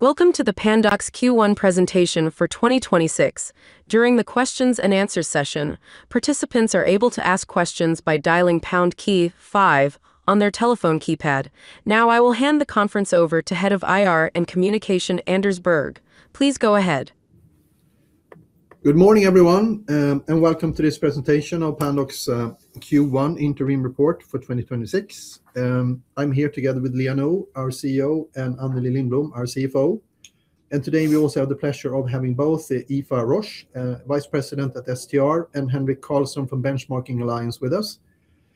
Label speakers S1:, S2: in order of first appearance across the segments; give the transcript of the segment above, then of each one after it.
S1: Welcome to the Pandox Q1 presentation for 2026. Now, I will hand the conference over to Head of IR and Communication, Anders Berg. Please go ahead.
S2: Good morning, everyone, welcome to this presentation of Pandox Q1 interim report for 2026. I'm here together with Liia Nõu, our CEO, and Anneli Lindblom, our CFO. Today, we also have the pleasure of having both Aoife Roche, Vice President at STR, and Henrik Karlsson from Benchmarking Alliance with us.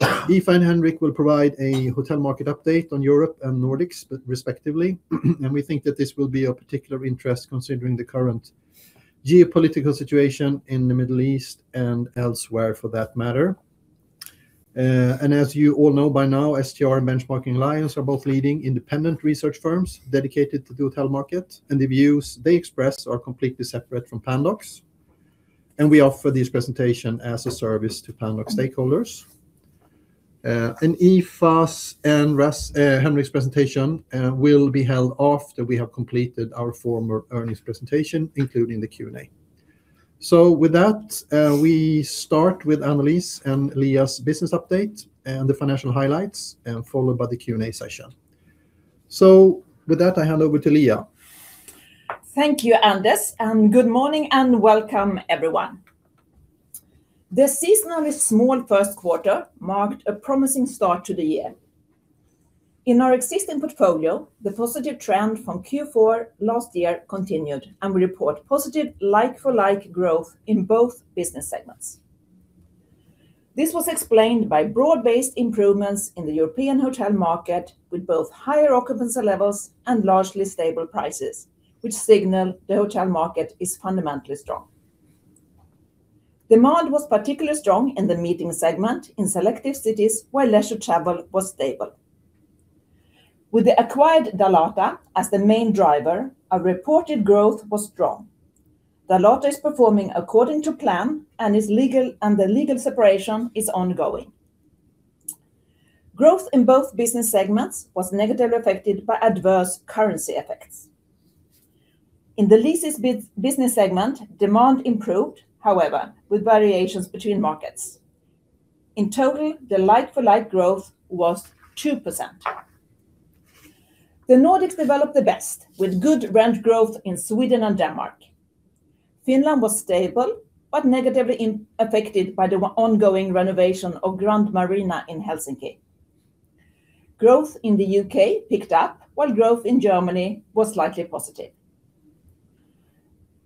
S2: Aoife and Henrik will provide a hotel market update on Europe and Nordics, respectively, and we think that this will be of particular interest considering the current geopolitical situation in the Middle East and elsewhere, for that matter. As you all know by now, STR and Benchmarking Alliance are both leading independent research firms dedicated to the hotel market, and the views they express are completely separate from Pandox. We offer this presentation as a service to Pandox stakeholders. Aoife's and Henrik's presentation will be held after we have completed our formal earnings presentation, including the Q&A. With that, we start with Anneli's and Liia's business update and the financial highlights, and followed by the Q&A session. With that, I hand over to Liia.
S3: Thank you, Anders, good morning, and welcome, everyone. The seasonally small first quarter marked a promising start to the year. In our existing portfolio, the positive trend from Q4 last year continued, and we report positive like-for-like growth in both business segments. This was explained by broad-based improvements in the European hotel market with both higher occupancy levels and largely stable prices, which signal the hotel market is fundamentally strong. Demand was particularly strong in the meeting segment in selective cities where leisure travel was stable. With the acquired Dalata as the main driver, our reported growth was strong. Dalata is performing according to plan and the legal separation is ongoing. Growth in both business segments was negatively affected by adverse currency effects. In the Leases business segment, demand improved, however, with variations between markets. In total, the like-for-like growth was 2%. The Nordics developed the best with good rent growth in Sweden and Denmark. Finland was stable but negatively affected by the ongoing renovation of Grand Marina in Helsinki. Growth in the U.K. picked up while growth in Germany was slightly positive.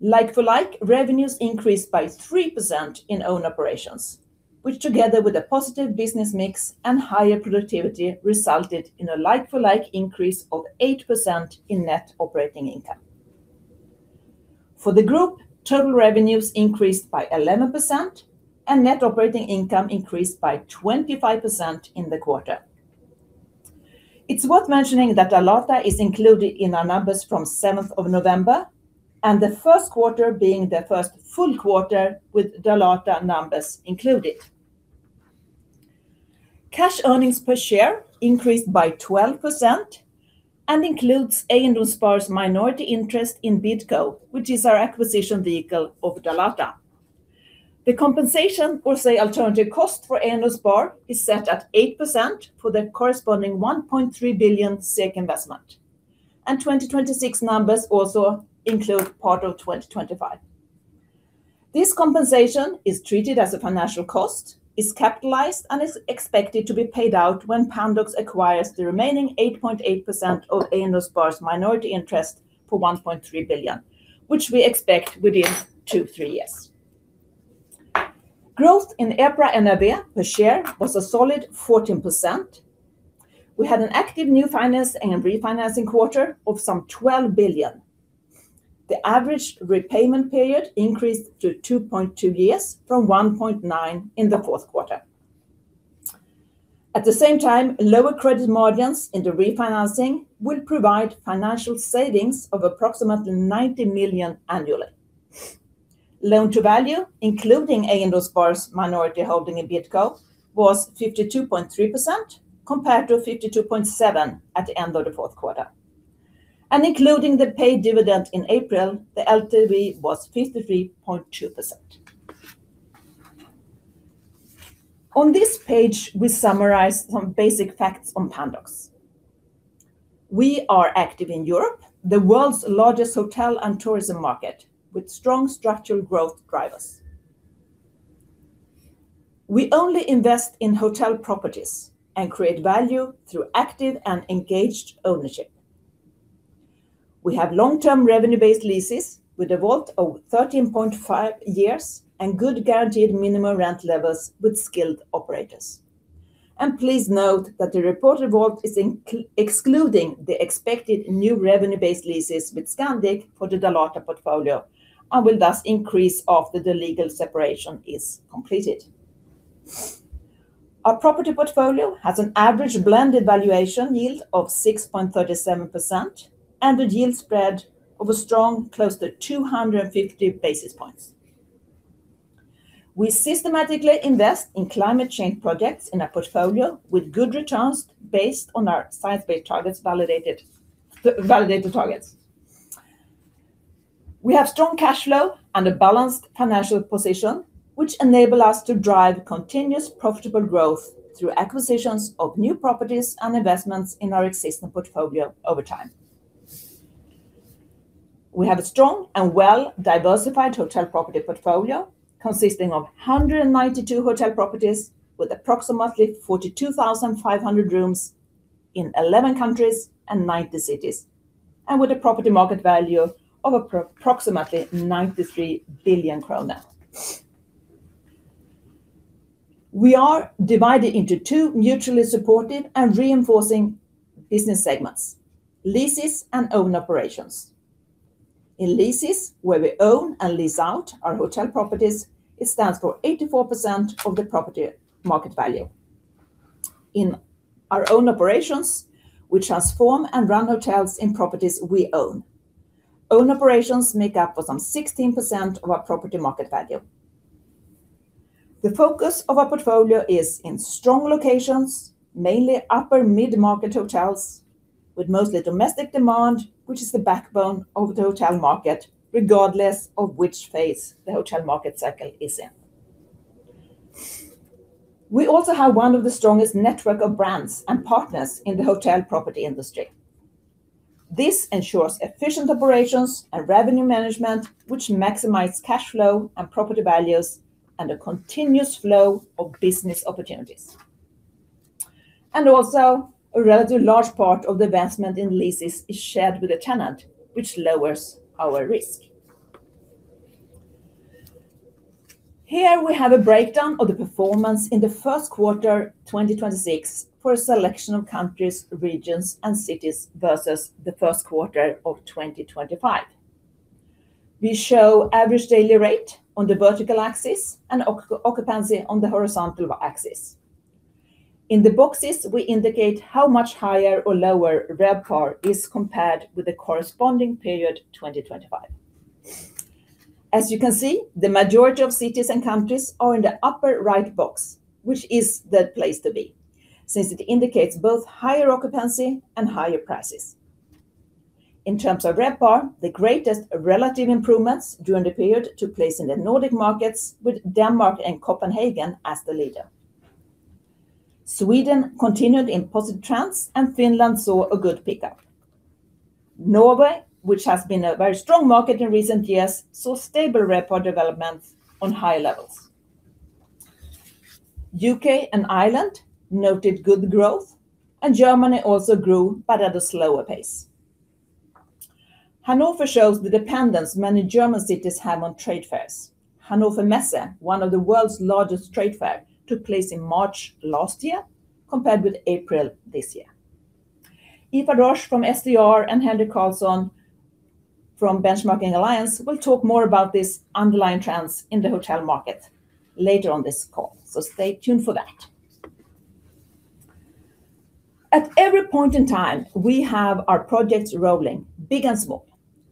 S3: Like-for-like revenues increased by 3% in owned operations, which together with a positive business mix and higher productivity resulted in a like-for-like increase of 8% in net operating income. For the group, total revenues increased by 11%, and net operating income increased by 25% in the quarter. It's worth mentioning that Dalata is included in our numbers from 7th of November, and the first quarter being the first full quarter with Dalata numbers included. Cash earnings per share increased by 12% and includes Eiendomsspar's minority interest in Bidco, which is our acquisition vehicle of Dalata. The compensation or, say, alternative cost for Eiendomsspar is set at 8% for the corresponding 1.3 billion SEK investment. 2026 numbers also include part of 2025. This compensation is treated as a financial cost, is capitalized, and is expected to be paid out when Pandox acquires the remaining 8.8% of Eiendomsspar's minority interest for 1.3 billion, which we expect within two, three years. Growth in EPRA NRV per share was a solid 14%. We had an active new finance and refinancing quarter of some 12 billion. The average repayment period increased to 2.2 years from 1.9 in the fourth quarter. At the same time, lower credit margins in the refinancing will provide financial savings of approximately 90 million annually. Loan-to-value, including Eiendomsspar's minority holding in Bidco, was 52.3%, compared to 52.7% at the end of the fourth quarter. Including the paid dividend in April, the LTV was 53.2%. On this page, we summarize some basic facts on Pandox. We are active in Europe, the world's largest hotel and tourism market, with strong structural growth drivers. We only invest in hotel properties and create value through active and engaged ownership. We have long-term revenue-based leases with a WALT of 13.5 years and good guaranteed minimum rent levels with skilled operators. Please note that the reported WALT is excluding the expected new revenue-based leases with Scandic for the Dalata portfolio, and will thus increase after the legal separation is completed. Our property portfolio has an average blended valuation yield of 6.37% and a yield spread of a strong close to 250 basis points. We systematically invest in climate change projects in a portfolio with good returns based on our science-based targets validated targets. We have strong cash flow and a balanced financial position, which enable us to drive continuous profitable growth through acquisitions of new properties and investments in our existing portfolio over time. We have a strong and well-diversified hotel property portfolio consisting of 192 hotel properties with approximately 42,500 rooms in 11 countries and 90 cities, and with a property market value of approximately SEK 93 billion. We are divided into two mutually supportive and reinforcing business segments: Leases and Own Operations. In Leases, where we own and lease out our hotel properties, it stands for 84% of the property market value. In our Own Operations, we transform and run hotels in properties we own. Own Operations make up for some 16% of our property market value. The focus of our portfolio is in strong locations, mainly upper mid-market hotels with mostly domestic demand, which is the backbone of the hotel market, regardless of which phase the hotel market cycle is in. We also have one of the strongest network of brands and partners in the hotel property industry. This ensures efficient operations and revenue management, which maximize cash flow and property values, a continuous flow of business opportunities. Also, a relatively large part of the investment in leases is shared with the tenant, which lowers our risk. Here we have a breakdown of the performance in the first quarter 2026 for a selection of countries, regions, and cities versus the first quarter of 2025. We show average daily rate on the vertical axis and occupancy on the horizontal axis. In the boxes, we indicate how much higher or lower RevPAR is compared with the corresponding period 2025. As you can see, the majority of cities and countries are in the upper right box, which is the place to be since it indicates both higher occupancy and higher prices. In terms of RevPAR, the greatest relative improvements during the period took place in the Nordic markets with Denmark and Copenhagen as the leader. Sweden continued in positive trends, and Finland saw a good pickup. Norway, which has been a very strong market in recent years, saw stable RevPAR development on high levels. U.K. and Ireland noted good growth, and Germany also grew but at a slower pace. Hannover shows the dependence many German cities have on trade fairs. Hannover Messe, one of the world's largest trade fair, took place in March last year compared with April this year. Aoife Roche from STR and Henrik Karlsson from Benchmarking Alliance will talk more about this underlying trends in the hotel market later on this call, so stay tuned for that. At every point in time, we have our projects rolling, big and small.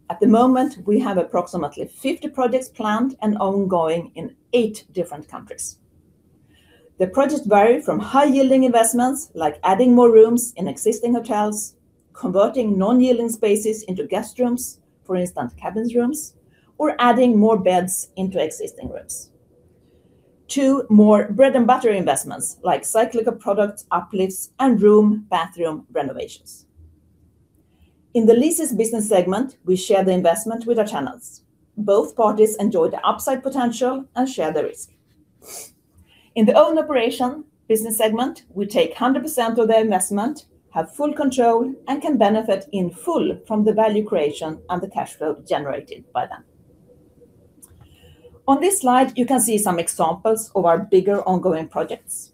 S3: At the moment, we have approximately 50 projects planned and ongoing in eight different countries. The projects vary from high-yielding investments, like adding more rooms in existing hotels, converting non-yielding spaces into guest rooms, for instance, cabins rooms, or adding more beds into existing rooms, to more bread and butter investments like cyclical products, uplifts, and room, bathroom renovations. In the Leases business segment, we share the investment with our tenants. Both parties enjoy the upside potential and share the risk. In the Own Operation business segment, we take 100% of the investment, have full control, and can benefit in full from the value creation and the cash flow generated by them. On this slide, you can see some examples of our bigger ongoing projects.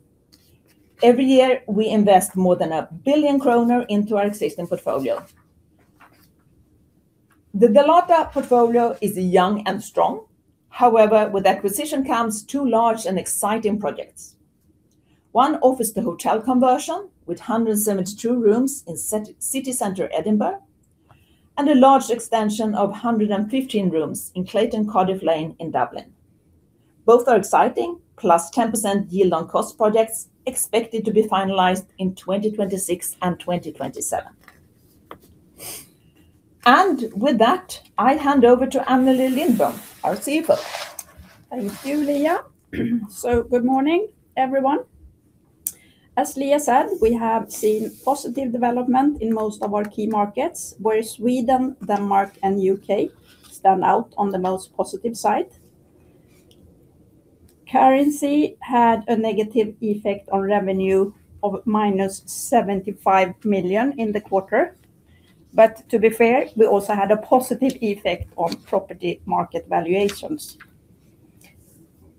S3: Every year, we invest more than 1 billion kronor into our existing portfolio. The Dalata portfolio is young and strong. However, with acquisition comes two large and exciting projects. One office-to-hotel conversion with 172 rooms in city center Edinburgh, and a large extension of 115 rooms in Clayton Cardiff Lane in Dublin. Both are exciting, plus 10% yield on cost projects expected to be finalized in 2026 and 2027. With that, I hand over to Anneli Lindblom, our CFO.
S4: Thank you, Liia. Good morning, everyone. As Liia said, we have seen positive development in most of our key markets, where Sweden, Denmark, and U.K. stand out on the most positive side. Currency had a negative effect on revenue of -75 million in the quarter. To be fair, we also had a positive effect on property market valuations.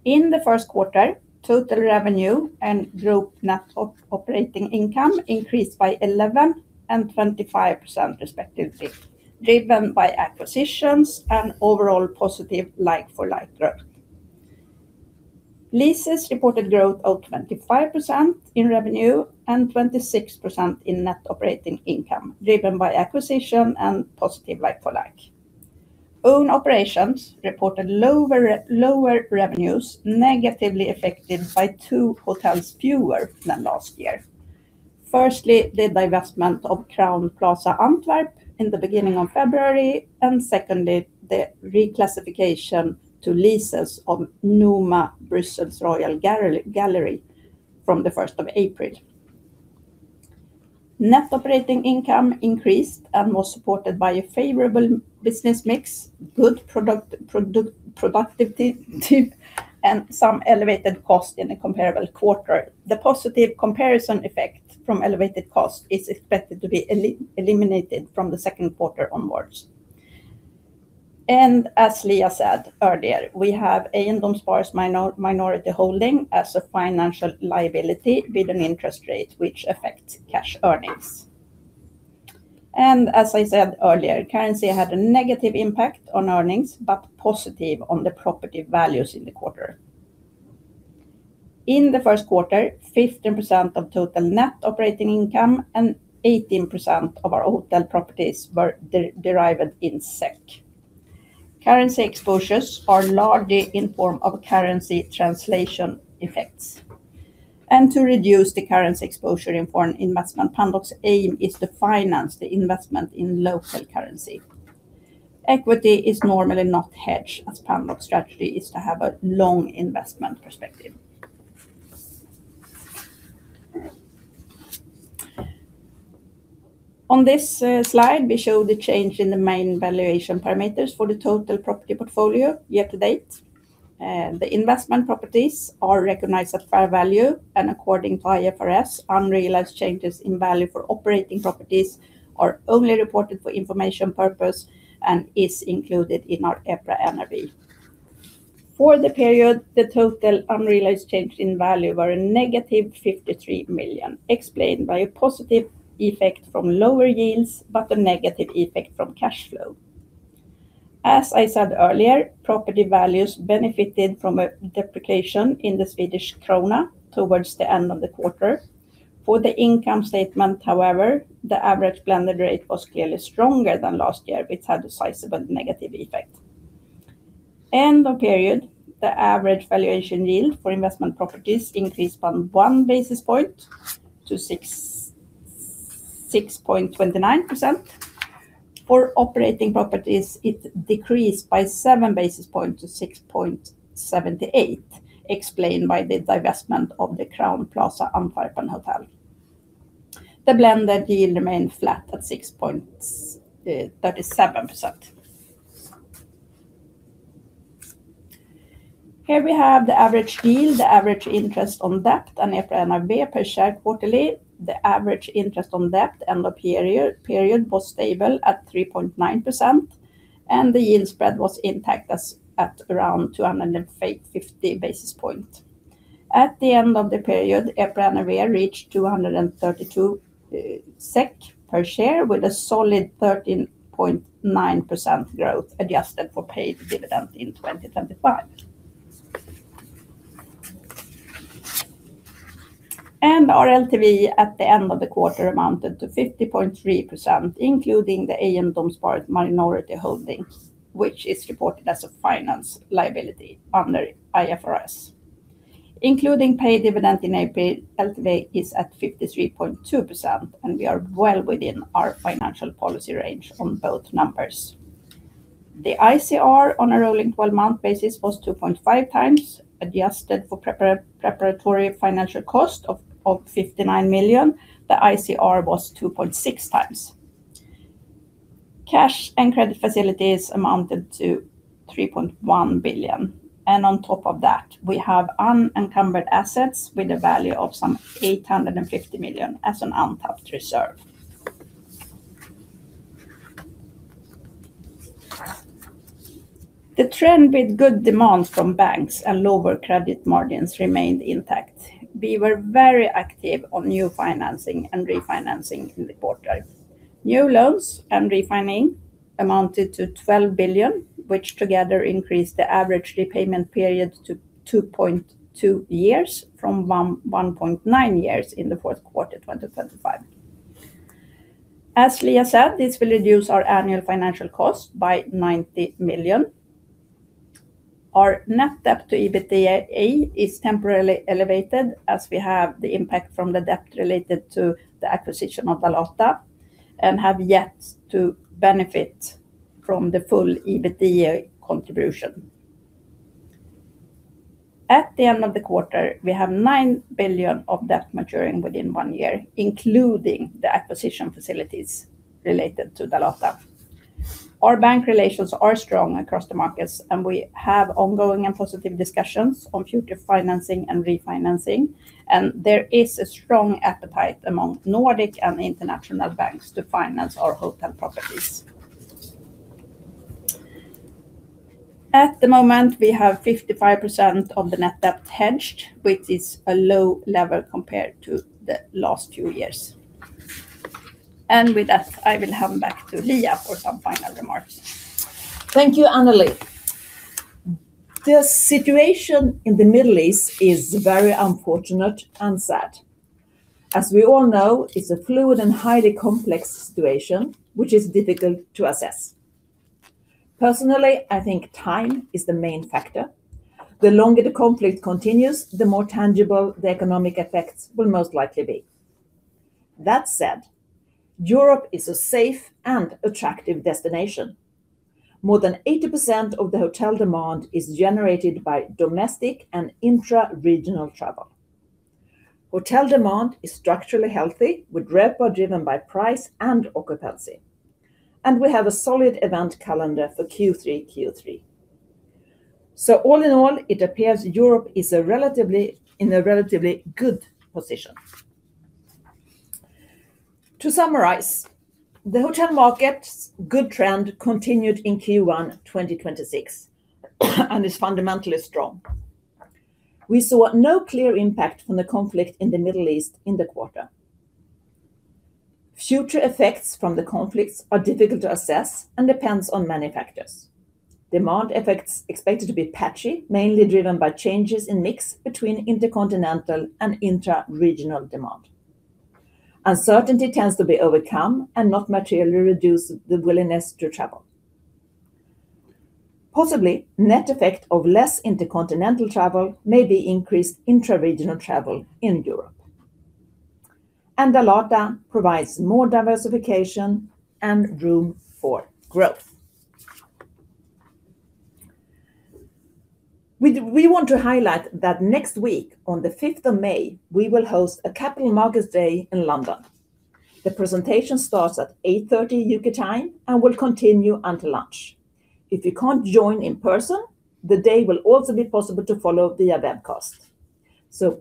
S4: In the first quarter, total revenue and group net operating income increased by 11% and 25% respectively, driven by acquisitions and overall positive like-for-like growth. Leases reported growth of 25% in revenue and 26% in net operating income, driven by acquisition and positive like-for-like. Own Operations reported lower revenues, negatively affected by two hotels fewer than last year. Firstly, the divestment of Crowne Plaza Antwerp in the beginning of February, secondly, the reclassification to leases of Numa Brussels Royal Galleries from the 1st of April. Net operating income increased, was supported by a favorable business mix, good productivity and some elevated cost in the comparable quarter. The positive comparison effect from elevated cost is expected to be eliminated from the second quarter onwards. As Liia said earlier, we have Eiendomsspar minority holding as a financial liability with an interest rate which affects cash earnings. As I said earlier, currency had a negative impact on earnings, but positive on the property values in the quarter. In the first quarter, 15% of total net operating income and 18% of our hotel properties were derived in SEK. Currency exposures are largely in form of currency translation effects. To reduce the currency exposure in foreign investment, Pandox's aim is to finance the investment in local currency. Equity is normally not hedged, as Pandox strategy is to have a long investment perspective. On this slide, we show the change in the main valuation parameters for the total property portfolio yet to date. The investment properties are recognized at fair value. According to IFRS, unrealized changes in value for operating properties are only reported for information purpose and is included in our EPRA NRV. For the period, the total unrealized change in value were a negative 53 million, explained by a positive effect from lower yields, but a negative effect from cash flow. As I said earlier, property values benefited from a depreciation in the Swedish krona towards the end of the quarter. For the income statement, however, the average blended rate was clearly stronger than last year, which had a sizable negative effect. End of period, the average valuation yield for investment properties increased from 1 basis point to 6.29%. For operating properties, it decreased by 7 basis points to 6.78%, explained by the divestment of the Crowne Plaza Antwerp and Hotel. The blended yield remained flat at 6.37%. Here we have the average yield, the average interest on debt, and EPRA NRV per share quarterly. The average interest on debt end of period was stable at 3.9%, and the yield spread was intact at around 250 basis points. At the end of the period, EPRA NRV reached 232 SEK per share with a solid 13.9% growth adjusted for paid dividend in 2025. Our LTV at the end of the quarter amounted to 50.3%, including the Eiendomsspar minority holdings, which is reported as a finance liability under IFRS. Including paid dividend in April, LTV is at 53.2%, we are well within our financial policy range on both numbers. The ICR on a rolling 12-month basis was 2.5x. Adjusted for preparatory financial cost of 59 million, the ICR was 2.6x. Cash and credit facilities amounted to 3.1 billion. On top of that, we have unencumbered assets with a value of some 850 million as an untapped reserve. The trend with good demand from banks and lower credit margins remained intact. We were very active on new financing and refinancing in the quarter. New loans and refinancing amounted to 12 billion, which together increased the average repayment period to 2.2 years from 1.9 years in the fourth quarter 2025. As Liia said, this will reduce our annual financial cost by 90 million. Our net debt to EBITDA is temporarily elevated as we have the impact from the debt related to the acquisition of Dalata and have yet to benefit from the full EBITDA contribution. At the end of the quarter, we have 9 billion of debt maturing within one year, including the acquisition facilities related to Dalata. Our bank relations are strong across the markets, and we have ongoing and positive discussions on future financing and refinancing. There is a strong appetite among Nordic and international banks to finance our hotel properties. At the moment, we have 55% of the net debt hedged, which is a low level compared to the last few years. With that, I will hand back to Liia for some final remarks.
S3: Thank you, Anneli. The situation in the Middle East is very unfortunate and sad. As we all know, it's a fluid and highly complex situation, which is difficult to assess. Personally, I think time is the main factor. The longer the conflict continues, the more tangible the economic effects will most likely be. That said, Europe is a safe and attractive destination. More than 80% of the hotel demand is generated by domestic and intra-regional travel. Hotel demand is structurally healthy, with RevPAR driven by price and occupancy. We have a solid event calendar for Q3. All in all, it appears Europe is in a relatively good position. To summarize, the hotel market's good trend continued in Q1 2026 and is fundamentally strong. We saw no clear impact from the conflict in the Middle East in the quarter. Future effects from the conflicts are difficult to assess and depends on many factors. Demand effects expected to be patchy, mainly driven by changes in mix between intercontinental and intra-regional demand. Uncertainty tends to be overcome and not materially reduce the willingness to travel. Possibly, net effect of less intercontinental travel may be increased intra-regional travel in Europe. Dalata provides more diversification and room for growth. We want to highlight that next week, on the fifth of May, we will host a Capital Markets Day in London. The presentation starts at 8:30 U.K. time and will continue until lunch. If you can't join in person, the day will also be possible to follow via webcast.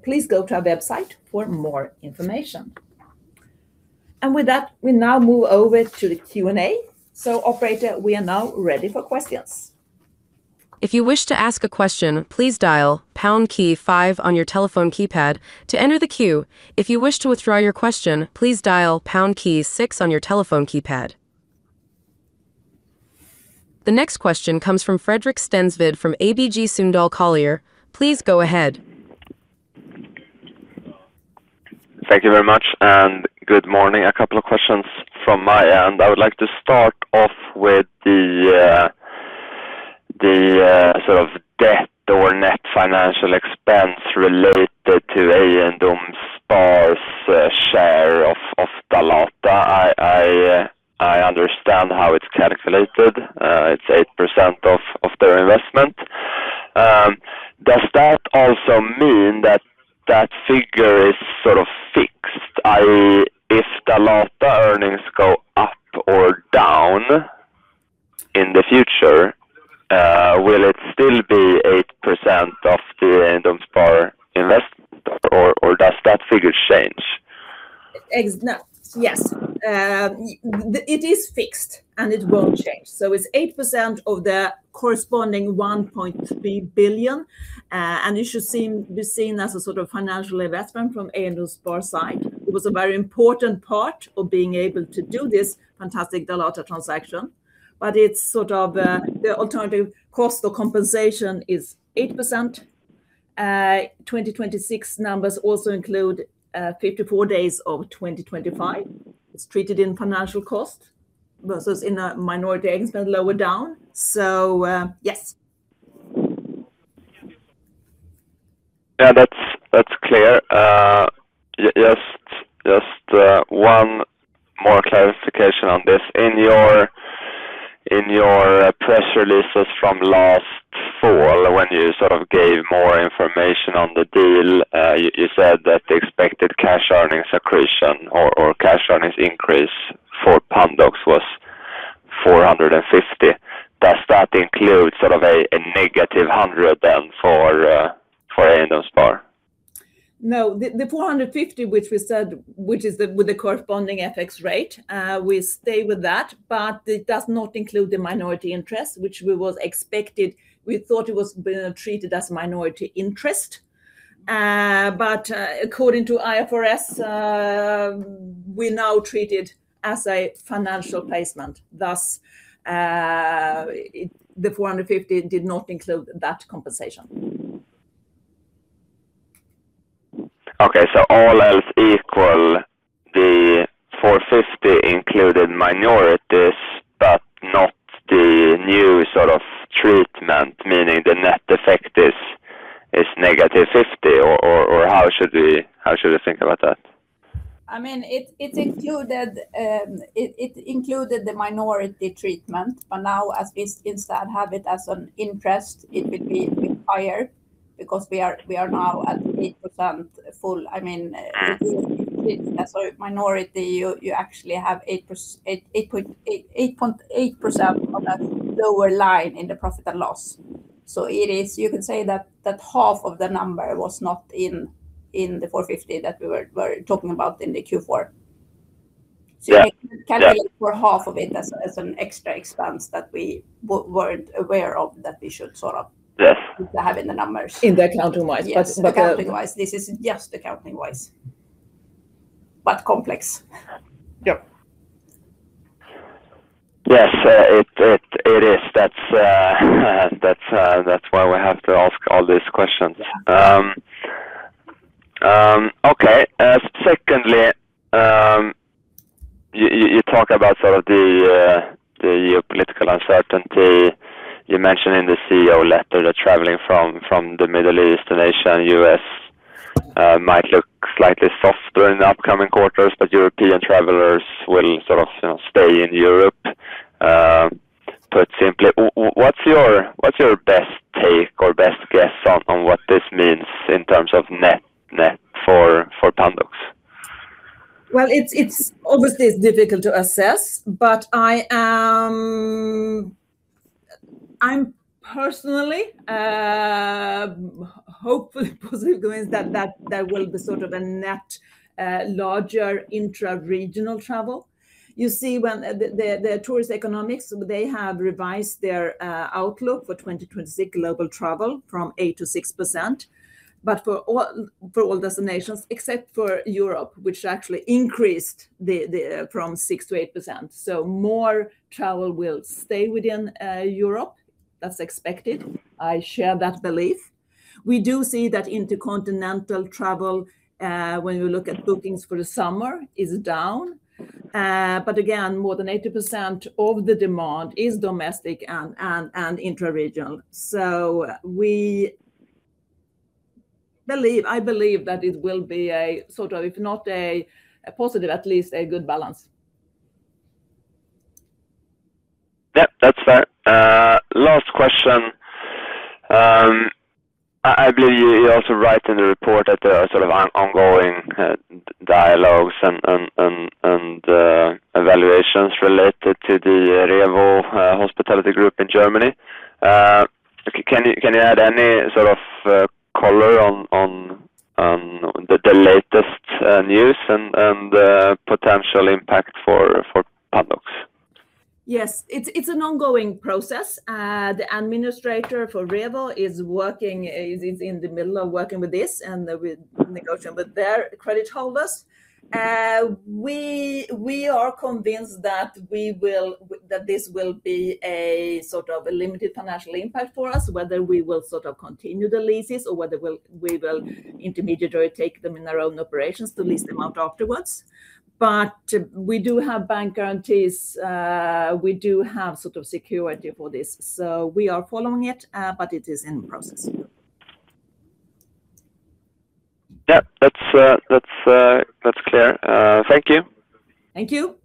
S3: Please go to our website for more information. With that, we now move over to the Q&A. Operator, we are now ready for questions.
S1: The next question comes from Fredrik Stensved from ABG Sundal Collier. Please go ahead.
S5: Thank you very much, and good morning. A couple of questions from my end. I would like to start off with the sort of debt or net financial expense related to Eiendomsspar's share of Dalata. I understand how it's calculated. It's 8% of their investment. Does that also mean that that figure is sort of fixed? If Dalata earnings go up or down in the future, will it still be 8% of the Eiendomsspar investment, or does that figure change?
S3: No. Yes. It is fixed, and it won't change. It's 8% of the corresponding 1.3 billion. And it should be seen as a sort of financial investment from Eiendomsspar's side. It was a very important part of being able to do this fantastic Dalata transaction. But it's sort of, the alternative cost or compensation is 8%. 2026 numbers also include 54 days of 2025. It's treated in financial cost versus in a minority expense lower down. Yes.
S5: Yeah, that's clear. Yes, just one more clarification on this. In your, in your press releases from last fall when you sort of gave more information on the deal, you said that the expected cash earnings accretion or cash earnings increase for Pandox was 450. Does that include sort of a -100 then for Eiendomsspar?
S3: No. The 450 which we said with the corresponding FX rate, we stay with that. It does not include the minority interest, which we thought it was being treated as minority interest. According to IFRS, we now treat it as a financial placement. Thus, the 450 did not include that compensation.
S5: Okay. All else equal, the 450 included minorities but not the new sort of treatment, meaning the net effect is -50, or how should we think about that?
S4: I mean, it included the minority treatment. Now as we instead have it as an interest, it will be higher because we are now at 8% full. I mean, as a minority, you actually have 8.8% of that lower line in the profit and loss. You can say that half of the number was not in the 450 that we were talking about in Q4.
S5: Yeah. Yeah.
S4: You can view for half of it as an extra expense that we weren't aware of that we should.
S5: Yes.
S4: Have in the numbers.
S3: In the accounting-wise.
S4: Yes, the accounting-wise. This is just the accounting-wise. Complex.
S5: Yep. Yes, it is. That's, that's why we have to ask all these questions. Okay. Secondly, you talk about sort of the geopolitical uncertainty. You mentioned in the CEO letter that traveling from the Middle East, Asia, U.S. might look slightly softer in the upcoming quarters, but European travelers will sort of, you know, stay in Europe. Put simply, what's your best take or best guess on what this means in terms of net for Pandox?
S3: Obviously it's difficult to assess, but I'm personally hopefully positive going is that will be sort of a net larger intra-regional travel. You see when the Tourism Economics, they have revised their outlook for 2026 global travel from 8% to 6%. For all destinations except for Europe, which actually increased the from 6% to 8%. More travel will stay within Europe. That's expected. I share that belief. We do see that intercontinental travel, when you look at bookings for the summer, is down. Again, more than 80% of the demand is domestic and intra-regional. I believe that it will be a sort of, if not a positive, at least a good balance.
S5: Yeah, that's fair. Last question. I believe you also write in the report that there are sort of ongoing dialogues and evaluations related to the Revo Hospitality Group in Germany. Can you add any sort of color on the latest news and potential impact for Pandox?
S3: Yes. It's an ongoing process. The administrator for Revo is in the middle of working with this and with negotiating with their credit holders. We are convinced that we will that this will be a sort of a limited financial impact for us, whether we will sort of continue the leases or whether we will intermediary take them in our Own Operations to lease them out afterwards. We do have bank guarantees. We do have sort of security for this. We are following it, but it is in process.
S5: Yeah. That's clear. Thank you.
S3: Thank you.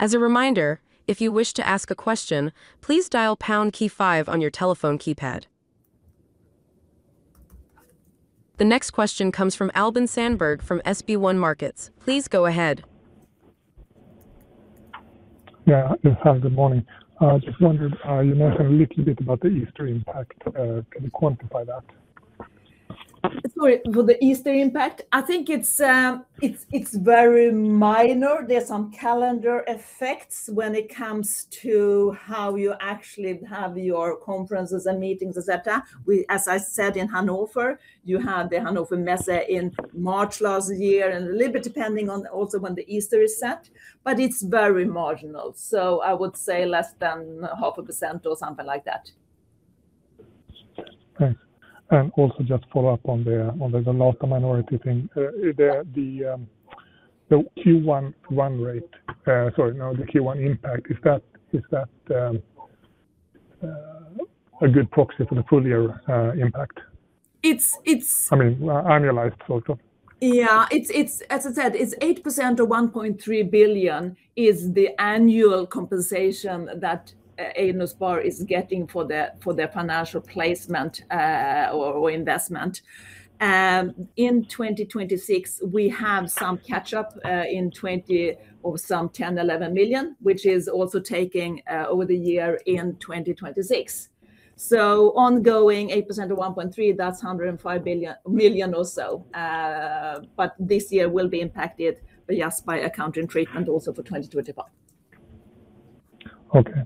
S1: As a reminder, if you wish to ask a question, please dial pound key five on your telephone keypad. The next question comes from Albin Sandberg from SB1 Markets. Please go ahead.
S6: Yeah. Hi, good morning. Just wondered, you mentioned a little bit about the Easter impact. Can you quantify that?
S3: Sorry, for the Easter impact? I think it's very minor. There's some calendar effects when it comes to how you actually have your conferences and meetings, et cetera. As I said, in Hannover, you had the Hannover Messe in March last year, and a little bit depending on also when the Easter is set, but it's very marginal. I would say less than 0.5% or something like that.
S6: Thanks. Also just follow up on the Dalata minority thing. The Q1 run rate, sorry, no, the Q1 impact, is that a good proxy for the full year impact?
S3: It's, it's.
S6: I mean, annualized sort of.
S3: As I said, it's 8% or 1.3 billion is the annual compensation that Eiendomsspar is getting for their financial placement or investment. In 2026, we have some catch up, 10 million-11 million, which is also taking over the year in 2026. Ongoing 8% to 1.3 billion, that's 105 million or so. This year will be impacted, yes, by accounting treatment also for 2025.
S6: Okay.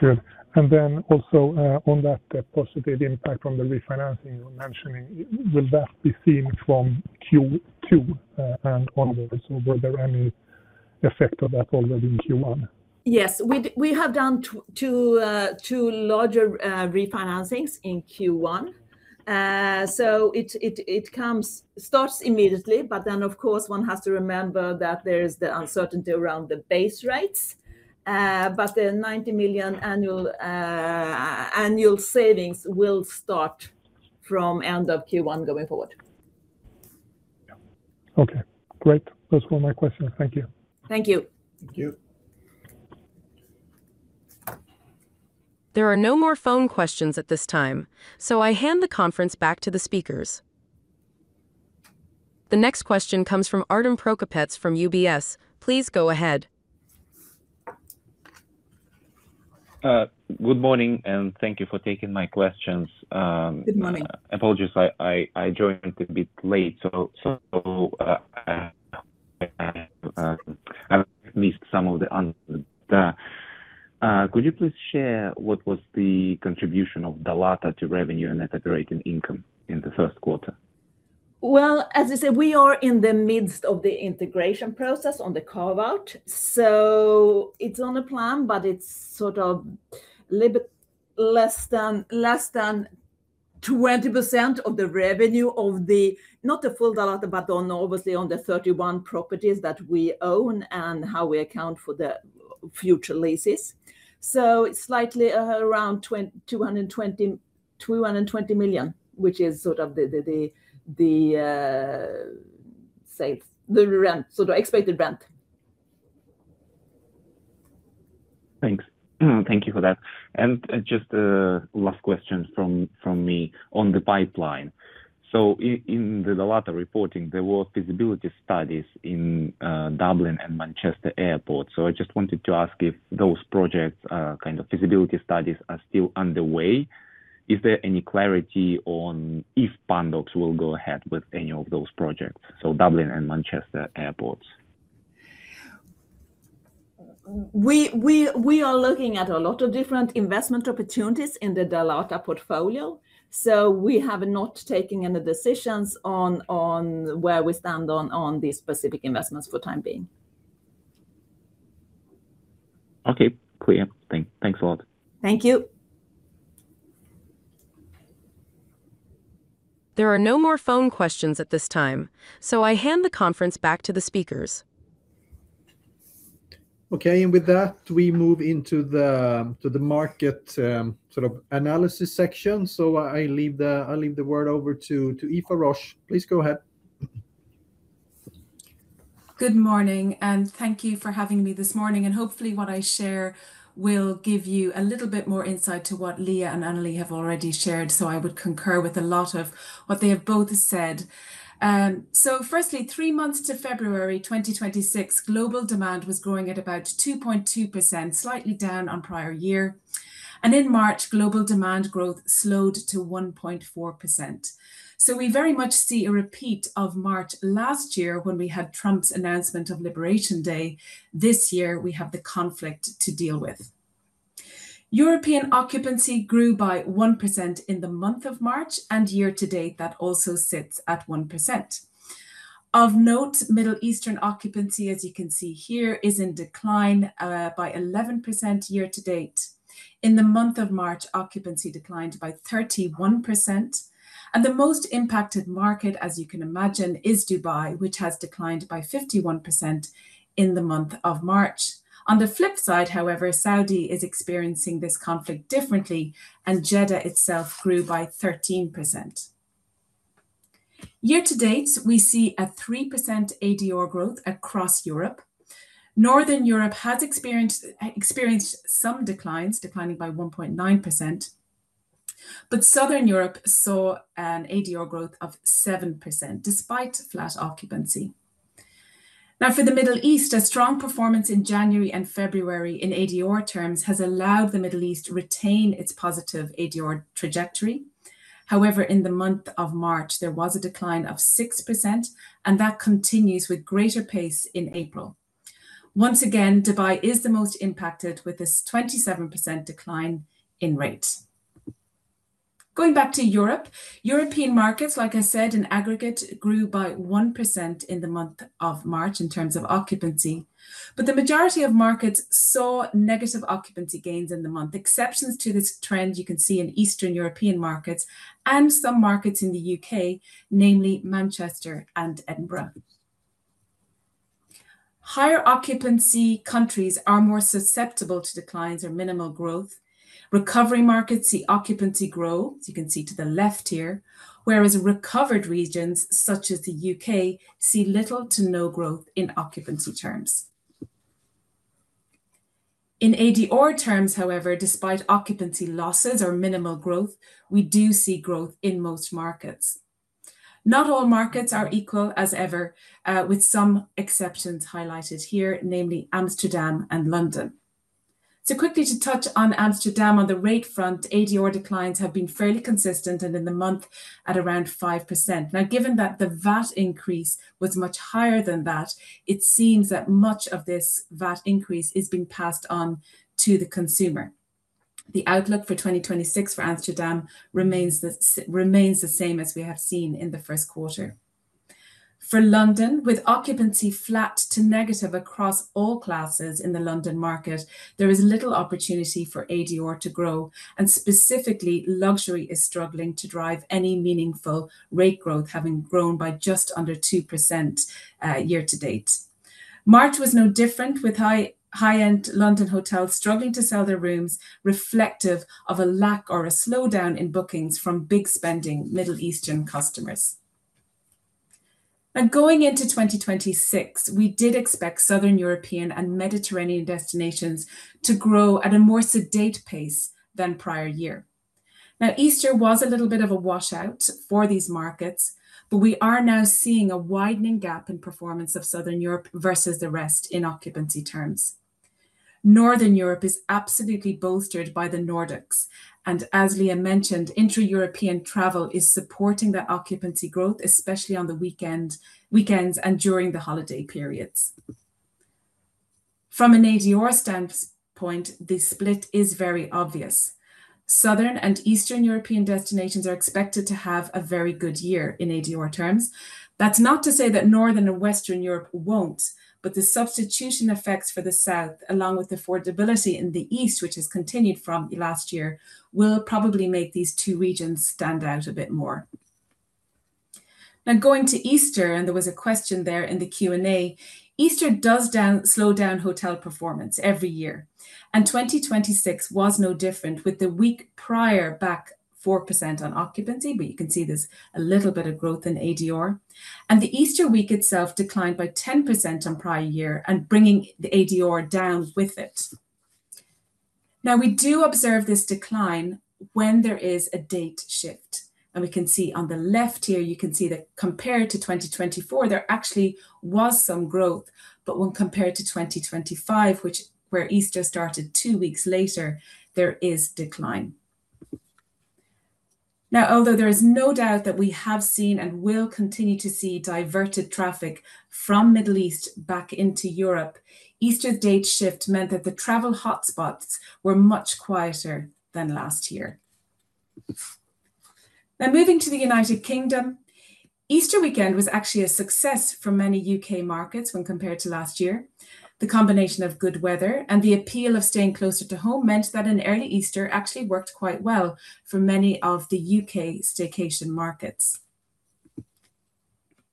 S6: Good. On that positive impact from the refinancing you're mentioning, will that be seen from Q2 and onwards? Or were there any effect of that already in Q1?
S3: Yes. We have done two larger refinancings in Q1. It starts immediately, but then of course one has to remember that there is the uncertainty around the base rates. The 90 million annual savings will start from end of Q1 going forward.
S6: Okay, great. Those were my questions. Thank you.
S3: Thank you.
S2: Thank you.
S1: There are no more phone questions at this time, so I hand the conference back to the speakers. The next question comes from Artem Prokopets from UBS. Please go ahead.
S7: Good morning, and thank you for taking my questions.
S3: Good morning.
S7: Apologies, I joined a bit late. I've missed some of the answers. Could you please share what was the contribution of Dalata to revenue and net operating income in the first quarter?
S3: Well, as I said, we are in the midst of the integration process on the carve-out. It is on the plan, but it is sort of a little bit less than 20% of the revenue of the, not the full Dalata, but on obviously on the 31 properties that we own and how we account for the future leases. It is slightly around 220 million, which is sort of the sales, the rent, sort of expected rent.
S7: Thanks. Thank you for that. Just a last question from me on the pipeline. In the Dalata reporting, there were feasibility studies in Dublin and Manchester Airport. I just wanted to ask if those projects, feasibility studies are still underway. Is there any clarity on if Pandox will go ahead with any of those projects, so Dublin and Manchester Airports?
S3: We are looking at a lot of different investment opportunities in the Dalata portfolio. We have not taken any decisions on where we stand on these specific investments for time being.
S7: Okay. Clear. Thanks a lot.
S3: Thank you.
S1: There are no more phone questions at this time. I hand the conference back to the speakers.
S2: Okay. With that, we move into the market, sort of analysis section. I leave the word over to Aoife Roche. Please go ahead.
S8: Good morning, thank you for having me this morning. Hopefully what I share will give you a little bit more insight to what Liia and Anneli have already shared. I would concur with a lot of what they have both said. Firstly, three months to February 2026, global demand was growing at about 2.2%, slightly down on prior year. In March, global demand growth slowed to 1.4%. We very much see a repeat of March last year when we had Trump's announcement of Liberation Day. This year, we have the conflict to deal with. European occupancy grew by 1% in the month of March, and year to date, that also sits at 1%. Of note, Middle Eastern occupancy, as you can see here, is in decline by 11% year to date. In the month of March, occupancy declined by 31%. The most impacted market, as you can imagine, is Dubai, which has declined by 51% in the month of March. On the flip side, however, Saudi is experiencing this conflict differently, and Jeddah itself grew by 13%. Year to date, we see a 3% ADR growth across Europe. Northern Europe has experienced some declines, declining by 1.9%. Southern Europe saw an ADR growth of 7% despite flat occupancy. Now, for the Middle East, a strong performance in January and February in ADR terms has allowed the Middle East to retain its positive ADR trajectory. However, in the month of March, there was a decline of 6%, and that continues with greater pace in April. Once again, Dubai is the most impacted with this 27% decline in rates. Going back to Europe, European markets, like I said, in aggregate grew by 1% in the month of March in terms of occupancy. The majority of markets saw negative occupancy gains in the month. Exceptions to this trend you can see in Eastern European markets and some markets in the U.K., namely Manchester and Edinburgh. Higher occupancy countries are more susceptible to declines or minimal growth. Recovery markets see occupancy grow, as you can see to the left here, whereas recovered regions such as the U.K. see little to no growth in occupancy terms. In ADR terms, however, despite occupancy losses or minimal growth, we do see growth in most markets. Not all markets are equal as ever, with some exceptions highlighted here, namely Amsterdam and London. Quickly to touch on Amsterdam on the rate front, ADR declines have been fairly consistent and in the month at around 5%. Given that the VAT increase was much higher than that, it seems that much of this VAT increase is being passed on to the consumer. The outlook for 2026 for Amsterdam remains the same as we have seen in the first quarter. With occupancy flat to negative across all classes in the London market, there is little opportunity for ADR to grow, and specifically luxury is struggling to drive any meaningful rate growth, having grown by just under 2% year to date. March was no different with high-end London hotels struggling to sell their rooms reflective of a lack or a slowdown in bookings from big-spending Middle Eastern customers. Going into 2026, we did expect Southern European and Mediterranean destinations to grow at a more sedate pace than prior year. Easter was a little bit of a washout for these markets, but we are now seeing a widening gap in performance of Southern Europe versus the rest in occupancy terms. Northern Europe is absolutely bolstered by the Nordics, and as Liia mentioned, intra-European travel is supporting that occupancy growth, especially on the weekends and during the holiday periods. From an ADR stance point, the split is very obvious. Southern and Eastern European destinations are expected to have a very good year in ADR terms. That's not to say that Northern and Western Europe won't, but the substitution effects for the South, along with affordability in the East, which has continued from last year, will probably make these two regions stand out a bit more. Now, going to Easter, and there was a question there in the Q&A, Easter does slow down hotel performance every year, and 2026 was no different with the week prior back 4% on occupancy, but you can see there's a little bit of growth in ADR. The Easter week itself declined by 10% on prior year and bringing the ADR down with it. Now, we do observe this decline when there is a date shift, and we can see on the left here, you can see that compared to 2024, there actually was some growth. When compared to 2025, which, where Easter started two weeks later, there is decline. Now, although there is no doubt that we have seen and will continue to see diverted traffic from Middle East back into Europe, Easter's date shift meant that the travel hotspots were much quieter than last year. Moving to the United Kingdom, Easter weekend was actually a success for many U.K. markets when compared to last year. The combination of good weather and the appeal of staying closer to home meant that an early Easter actually worked quite well for many of the U.K. staycation markets.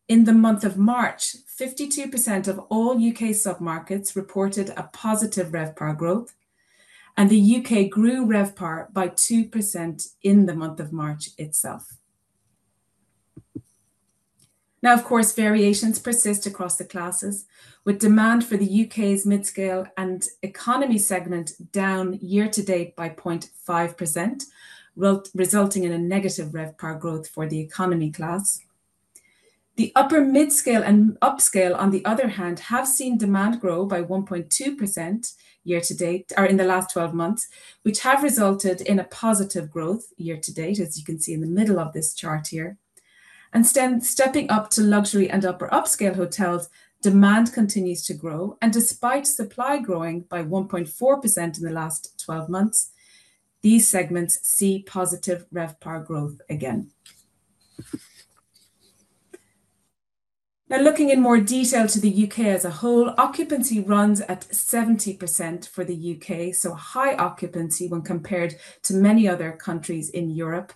S8: In the month of March, 52% of all U.K. submarkets reported a positive RevPAR growth, and the U.K. grew RevPAR by 2% in the month of March itself. Of course, variations persist across the classes with demand for the U.K.'s mid-scale and economy segment down year to date by 0.5% resulting in a negative RevPAR growth for the economy class. The upper mid-scale and upscale, on the other hand, have seen demand grow by 1.2% year to date, or in the last 12 months, which have resulted in a positive growth year to date, as you can see in the middle of this chart here. Stepping up to luxury and upper upscale hotels, demand continues to grow. Despite supply growing by 1.4% in the last 12 months, these segments see positive RevPAR growth again. Looking in more detail to the U.K. as a whole, occupancy runs at 70% for the U.K., so high occupancy when compared to many other countries in Europe,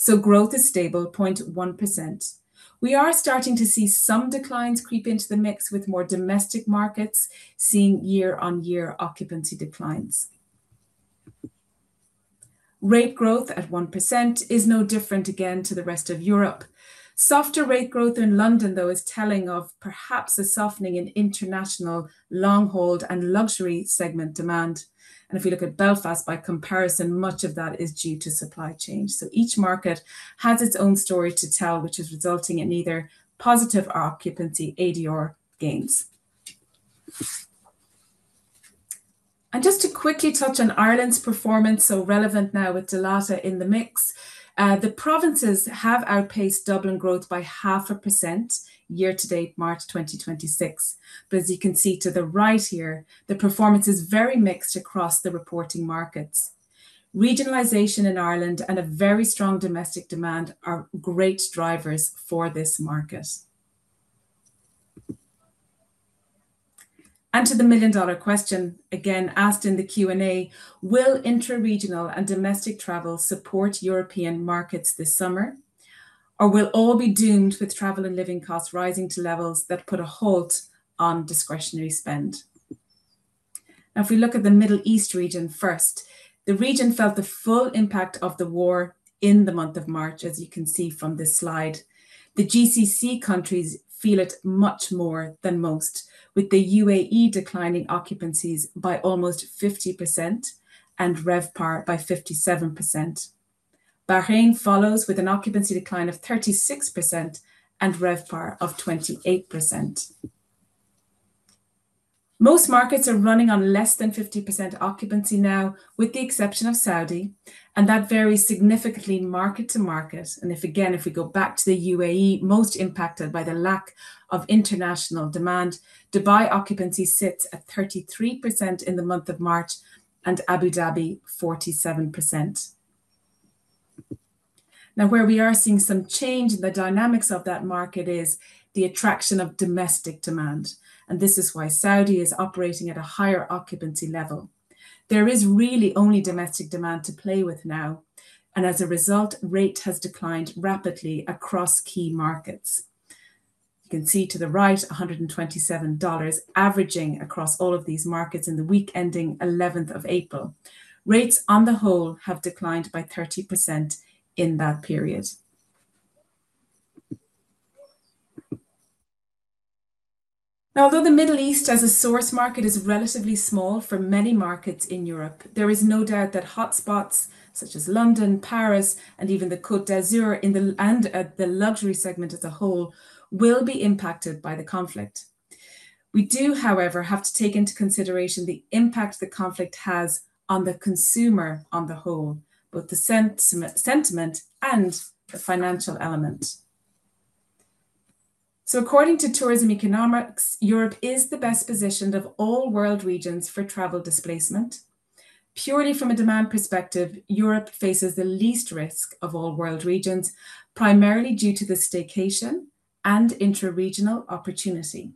S8: so growth is stable at 0.1%. We are starting to see some declines creep into the mix with more domestic markets seeing year-on-year occupancy declines. Rate growth at 1% is no different, again, to the rest of Europe. Softer rate growth in London, though, is telling of perhaps a softening in international long haul and luxury segment demand. If you look at Belfast by comparison, much of that is due to supply change. Each market has its own story to tell, which is resulting in either positive occupancy ADR gains. Just to quickly touch on Ireland's performance, so relevant now with Dalata in the mix, the provinces have outpaced Dublin growth by 0.5% year to date March 2026. As you can see to the right here, the performance is very mixed across the reporting markets. Regionalization in Ireland and a very strong domestic demand are great drivers for this market. To the million-dollar question again asked in the Q&A: Will intraregional and domestic travel support European markets this summer, or we'll all be doomed with travel and living costs rising to levels that put a halt on discretionary spend? If we look at the Middle East region first, the region felt the full impact of the war in the month of March, as you can see from this slide. The GCC countries feel it much more than most, with the UAE declining occupancies by almost 50% and RevPAR by 57%. Bahrain follows with an occupancy decline of 36% and RevPAR of 28%. Most markets are running on less than 50% occupancy now, with the exception of Saudi, and that varies significantly market to market. If, again, if we go back to the UAE, most impacted by the lack of international demand, Dubai occupancy sits at 33% in the month of March and Abu Dhabi 47%. Now, where we are seeing some change in the dynamics of that market is the attraction of domestic demand. This is why Saudi is operating at a higher occupancy level. There is really only domestic demand to play with now. As a result, rate has declined rapidly across key markets. You can see to the right $127 averaging across all of these markets in the week ending 11th of April. Rates on the whole have declined by 30% in that period. Although the Middle East as a source market is relatively small for many markets in Europe, there is no doubt that hotspots such as London, Paris, and even the Côte d'Azur, and the luxury segment as a whole will be impacted by the conflict. We do, however, have to take into consideration the impact the conflict has on the consumer on the whole, both the sentiment and the financial element. According to Tourism Economics, Europe is the best positioned of all world regions for travel displacement. Purely from a demand perspective, Europe faces the least risk of all world regions, primarily due to the staycation and interregional opportunity.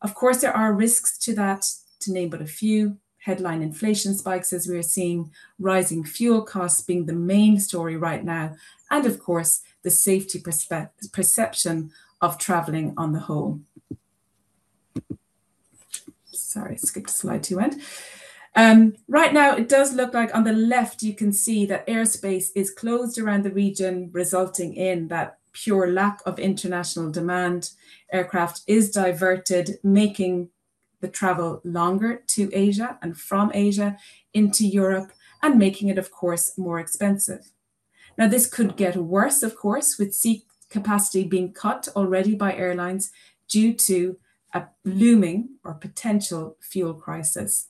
S8: Of course, there are risks to that. To name but a few, headline inflation spikes, as we're seeing, rising fuel costs being the main story right now, and of course, the safety perception of traveling on the whole. Sorry, skipped a slide to end. Right now it does look like, on the left you can see that airspace is closed around the region, resulting in that pure lack of international demand. Aircraft is diverted, making the travel longer to Asia and from Asia into Europe, and making it, of course, more expensive. This could get worse, of course, with seat capacity being cut already by airlines due to a looming or potential fuel crisis.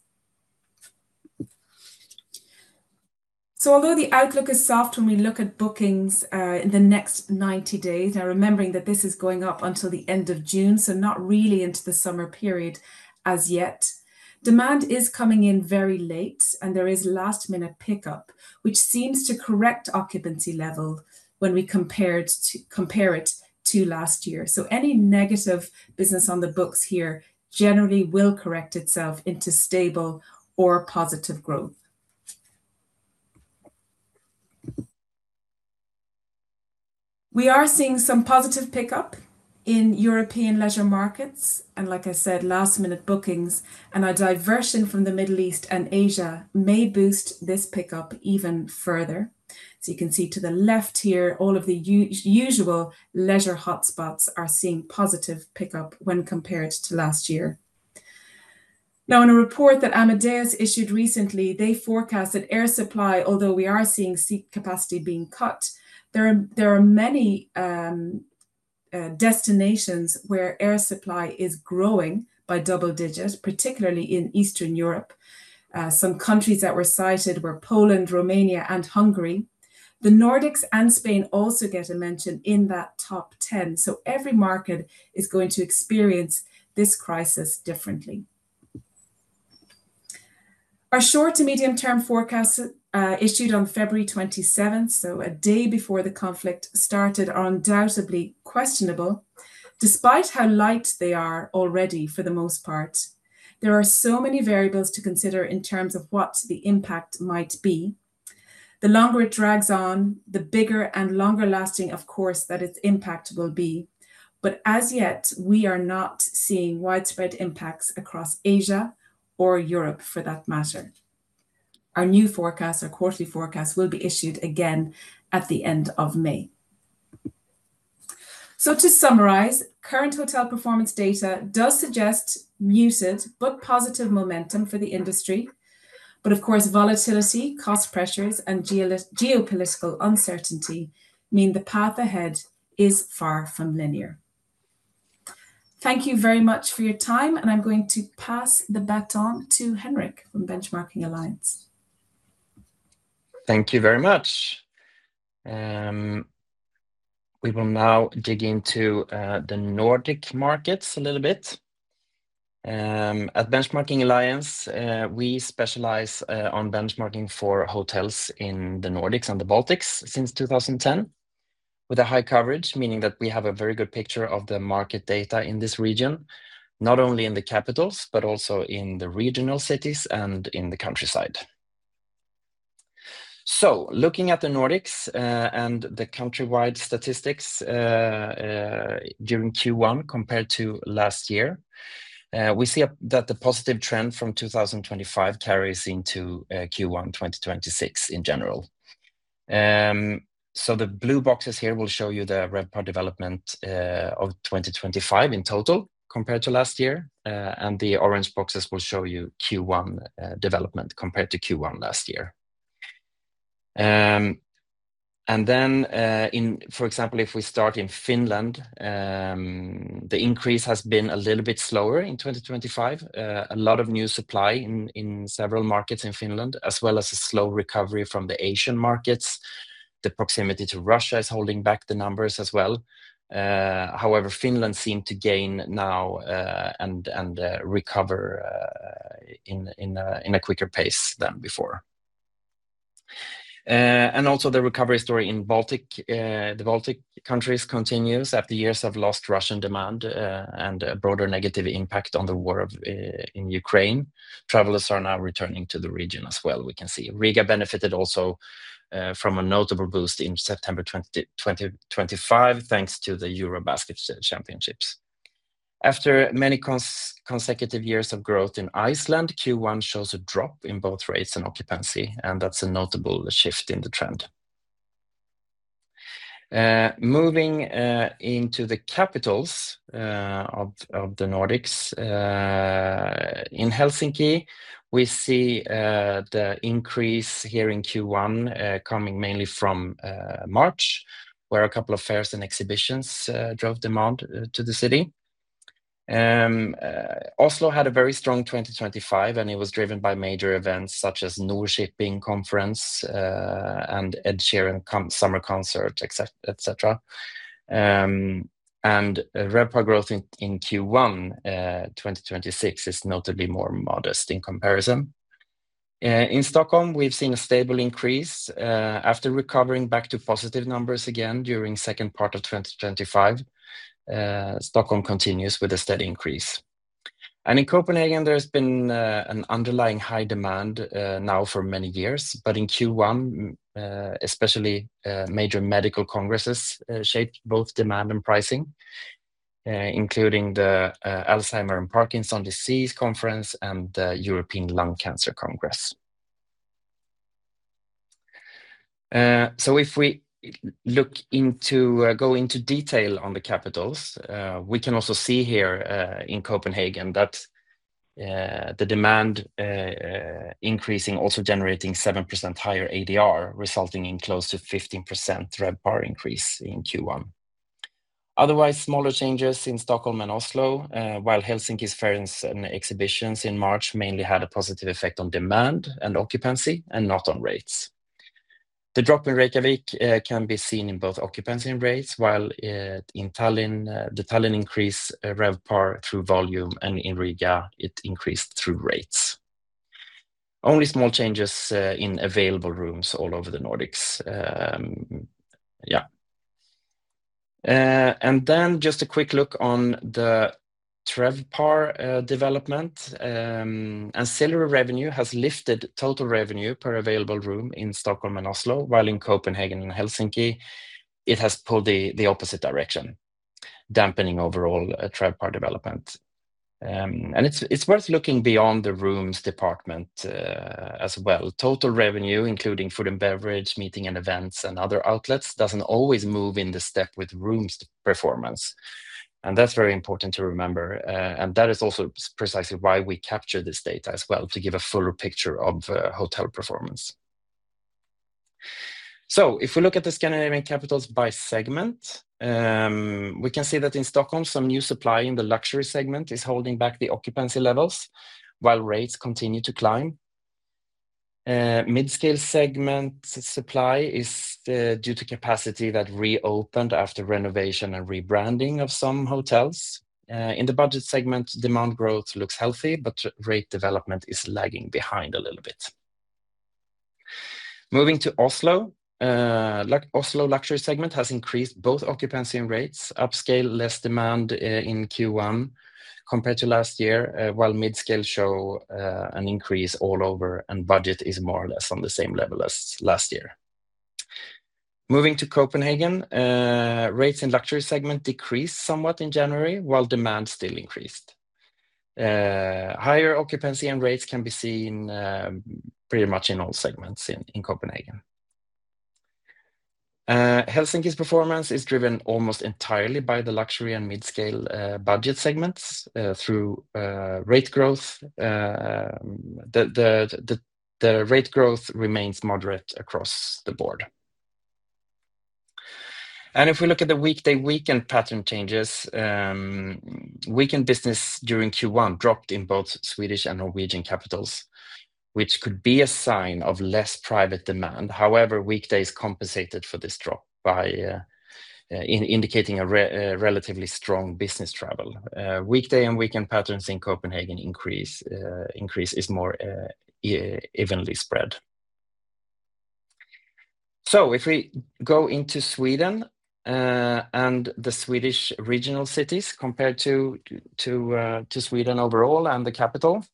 S8: Although the outlook is soft when we look at bookings in the next 90 days, remembering that this is going up until the end of June, not really into the summer period as yet. Demand is coming in very late and there is last-minute pickup, which seems to correct occupancy level when we compare it to last year. Any negative business on the books here generally will correct itself into stable or positive growth. We are seeing some positive pickup in European leisure markets and, like I said, last-minute bookings and a diversion from the Middle East and Asia may boost this pickup even further. You can see to the left here, all of the usual leisure hotspots are seeing positive pickup when compared to last year. Now, in a report that Amadeus issued recently, they forecast that air supply, although we are seeing seat capacity being cut, there are many destinations where air supply is growing by double digits, particularly in Eastern Europe. Some countries that were cited were Poland, Romania, and Hungary. The Nordics and Spain also get a mention in that top 10. Every market is going to experience this crisis differently. Our short to medium term forecast, issued on February 27, so a day before the conflict started, are undoubtedly questionable. Despite how light they are already for the most part, there are so many variables to consider in terms of what the impact might be. The longer it drags on, the bigger and longer lasting, of course, that its impact will be, but as yet, we are not seeing widespread impacts across Asia or Europe for that matter. Our new forecast, our quarterly forecast, will be issued again at the end of May. To summarize, current hotel performance data does suggest muted but positive momentum for the industry, but of course, volatility, cost pressures, and geopolitical uncertainty mean the path ahead is far from linear. Thank you very much for your time, and I'm going to pass the baton to Henrik from Benchmarking Alliance.
S9: Thank you very much. We will now dig into the Nordic markets. At Benchmarking Alliance, we specialize on benchmarking for hotels in the Nordics and the Baltics since 2010 with a high coverage, meaning that we have a very good picture of the market data in this region, not only in the capitals, but also in the regional cities and in the countryside. Looking at the Nordics and the countrywide statistics during Q1 compared to last year, we see that the positive trend from 2025 carries into Q1 2026 in general. The blue boxes here will show you the RevPAR development of 2025 in total compared to last year, and the orange boxes will show you Q1 development compared to Q1 last year. In, for example, if we start in Finland, the increase has been a little bit slower in 2025. A lot of new supply in several markets in Finland, as well as a slow recovery from the Asian markets. The proximity to Russia is holding back the numbers as well. However, Finland seem to gain now and recover in a quicker pace than before. Also the recovery story in Baltic, the Baltic countries continues after years of lost Russian demand and a broader negative impact on the war of in Ukraine. Travelers are now returning to the region as well, we can see. Riga benefited also from a notable boost in September 2025, thanks to the EuroBasket Championships. After many consecutive years of growth in Iceland, Q1 shows a drop in both rates and occupancy. That's a notable shift in the trend. Moving into the capitals of the Nordics, in Helsinki, we see the increase here in Q1 coming mainly from March, where a couple of fairs and exhibitions drove demand to the city. Oslo had a very strong 2025. It was driven by major events such as Nor-Shipping Conference and Ed Sheeran summer concert, et cetera. RevPAR growth in Q1 2026 is notably more modest in comparison. In Stockholm, we've seen a stable increase after recovering back to positive numbers again during second part of 2025. Stockholm continues with a steady increase. In Copenhagen, there's been an underlying high demand now for many years. In Q1, especially, major medical congresses shaped both demand and pricing, including the Alzheimer's and Parkinson's Diseases Conference and the European Lung Cancer Congress. If we look into go into detail on the capitals, we can also see here in Copenhagen that the demand increasing, also generating 7% higher ADR, resulting in close to 15% RevPAR increase in Q1. Otherwise, smaller changes in Stockholm and Oslo, while Helsinki's fairs and exhibitions in March mainly had a positive effect on demand and occupancy and not on rates. The drop in Reykjavik can be seen in both occupancy and rates, while in Tallinn, the Tallinn increase RevPAR through volume, and in Riga, it increased through rates. Only small changes in available rooms all over the Nordics. Yeah. Then just a quick look on the RevPAR development. Ancillary revenue has lifted total revenue per available room in Stockholm and Oslo, while in Copenhagen and Helsinki, it has pulled the opposite direction, dampening overall RevPAR development. It's worth looking beyond the rooms department as well. Total revenue, including food and beverage, meeting and events, and other outlets, doesn't always move in the step with rooms performance, that's very important to remember. That is also precisely why we capture this data as well, to give a fuller picture of hotel performance. If we look at the Scandinavian capitals by segment, we can see that in Stockholm, some new supply in the luxury segment is holding back the occupancy levels while rates continue to climb. Mid-scale segment supply is due to capacity that reopened after renovation and rebranding of some hotels. In the budget segment, demand growth looks healthy, but rate development is lagging behind a little bit. Moving to Oslo luxury segment has increased both occupancy and rates. Upscale, less demand in Q1 compared to last year, while mid-scale show an increase all over, and budget is more or less on the same level as last year. Moving to Copenhagen, rates in luxury segment decreased somewhat in January, while demand still increased. Higher occupancy and rates can be seen pretty much in all segments in Copenhagen. Helsinki's performance is driven almost entirely by the luxury and mid-scale budget segments through rate growth. The rate growth remains moderate across the board. If we look at the weekday/weekend pattern changes, weekend business during Q1 dropped in both Swedish and Norwegian capitals, which could be a sign of less private demand. However, weekdays compensated for this drop by indicating a relatively strong business travel. Weekday and weekend patterns in Copenhagen increase is more evenly spread. If we go into Sweden, and the Swedish regional cities compared to Sweden overall and the capital,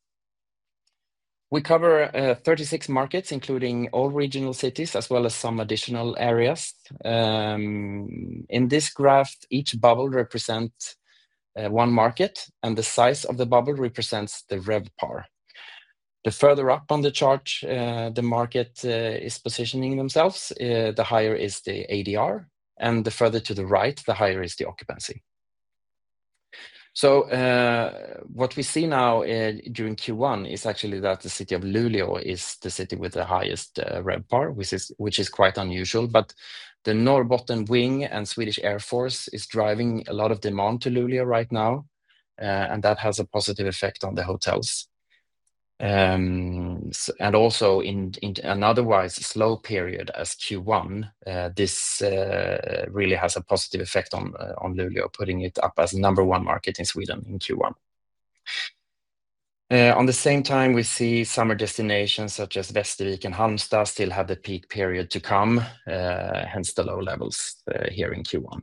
S9: we cover 36 markets, including all regional cities, as well as some additional areas. In this graph, each bubble represent one market, and the size of the bubble represents the RevPAR. The further up on the chart, the market is positioning themselves, the higher is the ADR, and the further to the right, the higher is the occupancy. What we see now, during Q1 is actually that the city of Luleå is the city with the highest RevPAR, which is quite unusual. The Norrbotten Wing and Swedish Air Force is driving a lot of demand to Luleå right now, and that has a positive effect on the hotels. Also in an otherwise slow period as Q1, this really has a positive effect on Luleå, putting it up as number one market in Sweden in Q1. On the same time, we see summer destinations such as Västervik and Halmstad still have the peak period to come, hence the low levels here in Q1.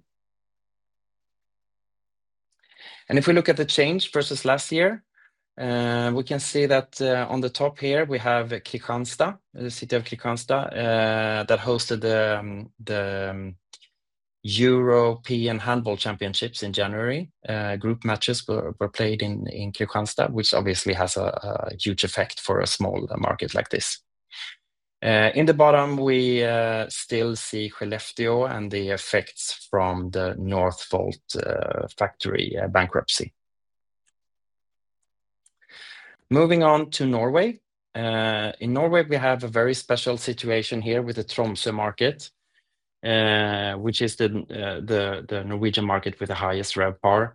S9: If we look at the change versus last year, we can see that on the top here, we have Kristianstad, the city of Kristianstad, that hosted the European Handball Championships in January. Group matches were played in Kristianstad, which obviously has a huge effect for a small market like this. In the bottom, we still see Skellefteå and the effects from the Northvolt factory bankruptcy. Moving on to Norway. In Norway, we have a very special situation here with the Tromsø market, which is the Norwegian market with the highest RevPAR.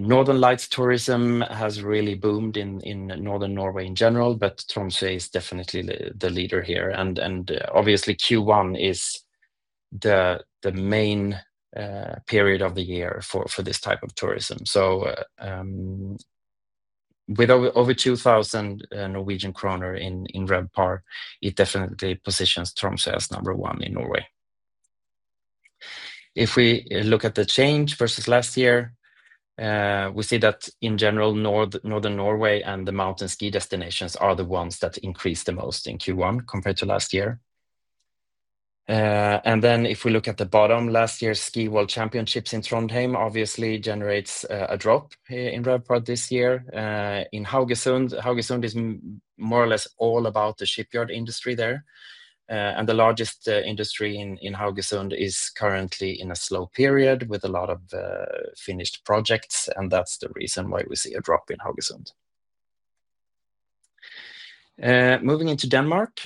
S9: Northern lights tourism has really boomed in northern Norway in general, but Tromsø is definitely the leader here. Obviously Q1 is the main period of the year for this type of tourism. With over 2,000 Norwegian kroner in RevPAR, it definitely positions Tromsø as number one in Norway. If we look at the change versus last year, we see that in general, northern Norway and the mountain ski destinations are the ones that increased the most in Q1 compared to last year. And then if we look at the bottom, last year's Ski World Championships in Trondheim obviously generates a drop here in RevPAR this year. In Haugesund is more or less all about the shipyard industry there. And the largest industry in Haugesund is currently in a slow period with a lot of finished projects, and that's the reason why we see a drop in Haugesund. Moving into Denmark,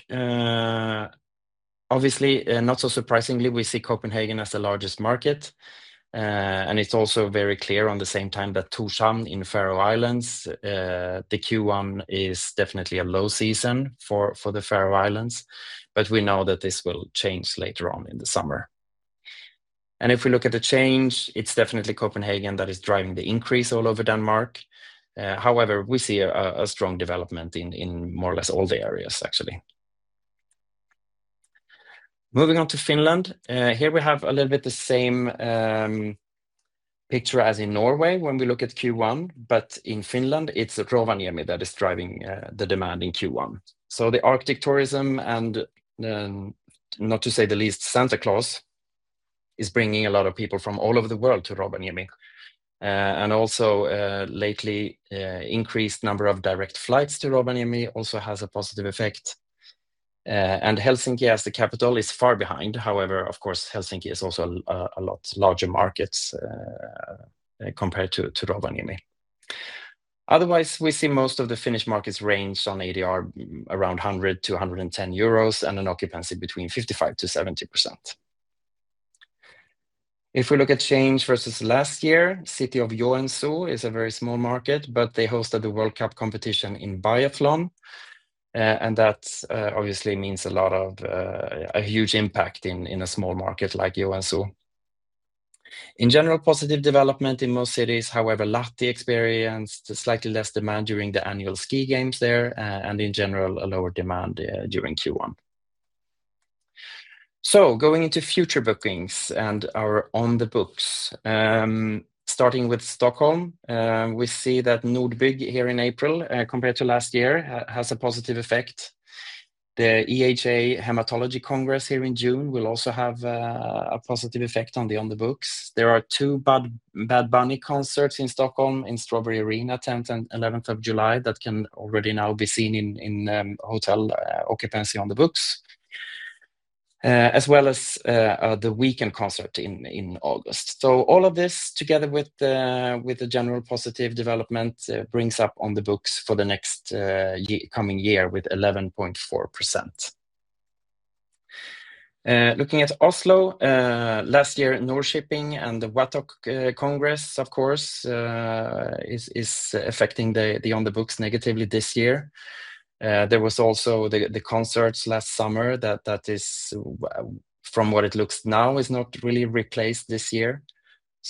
S9: obviously, not so surprisingly, we see Copenhagen as the largest market. And it's also very clear on the same time that Tórshavn in Faroe Islands, the Q1 is definitely a low season for the Faroe Islands. We know that this will change later on in the summer. If we look at the change, it's definitely Copenhagen that is driving the increase all over Denmark. However, we see a strong development in more or less all the areas actually. Moving on to Finland. Here we have a little bit the same picture as in Norway when we look at Q1. In Finland, it's Rovaniemi that is driving the demand in Q1. The Arctic tourism and, not to say the least, Santa Claus is bringing a lot of people from all over the world to Rovaniemi. Also, lately, increased number of direct flights to Rovaniemi also has a positive effect. Helsinki as the capital is far behind. However, of course, Helsinki is also a lot larger markets compared to Rovaniemi. Otherwise, we see most of the Finnish markets range on ADR around 100-110 euros, and an occupancy between 55%-70%. If we look at change versus last year, city of Joensuu is a very small market, but they hosted the World Cup competition in biathlon. That obviously means a lot of a huge impact in a small market like Joensuu. In general, positive development in most cities. However, Lahti experienced a slightly less demand during the annual ski games there, and in general, a lower demand during Q1. Going into future bookings and our On the Books. Starting with Stockholm, we see that Nordbygg here in April, compared to last year, has a positive effect. The EHA Hematology Congress here in June will also have a positive effect on the On the Books. There are two Bad Bunny concerts in Stockholm in Strawberry Arena, tenth and eleventh of July, that can already now be seen in hotel occupancy on the books, as well as The Weeknd concert in August. All of this together with the general positive development brings up on the books for the next coming year with 11.4%. Looking at Oslo, last year, Nor-Shipping and the WATOC Congress, of course, is affecting the on the books negatively this year. There was also the concerts last summer that is, from what it looks now, is not really replaced this year.